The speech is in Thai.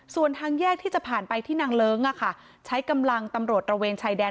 ส่วนทางแยกที่จะผ่านไปที่นางเลิ้งใช้กำลังตำรวจระเวนชายแดน